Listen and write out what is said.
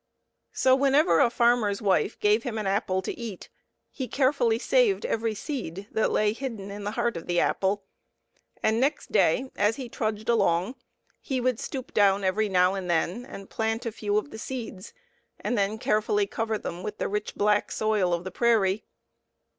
So whenever a farmer's wife gave him an apple to eat he carefully saved every seed that lay hidden in the heart of the apple, and next day as he trudged along he would stoop down every now and then and plant a few of the seeds and then carefully cover them with the rich black soil of the prairie.